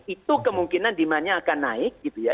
itu kemungkinan demandnya akan naik gitu ya